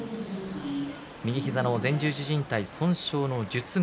右膝の前十字じん帯損傷の術後